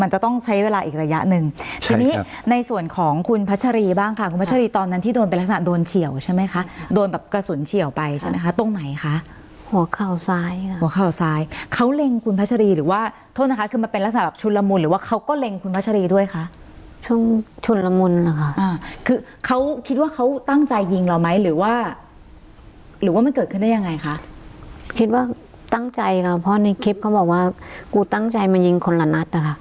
หัวขาวซ้ายหัวขาวซ้ายเขาเล็งคุณพัชรีหรือว่าโทษนะคะคือมันเป็นลักษณะแบบชุนละมุนหรือว่าเขาก็เล็งคุณพัชรีด้วยคะชุนละมุนเหรอคะอ่าคือเขาคิดว่าเขาตั้งใจยิงเราไหมหรือว่าหรือว่ามันเกิดขึ้นได้ยังไงคะคิดว่าตั้งใจค่ะเพราะในคลิปเขาบอกว่ากูตั้งใจมายิงคนละน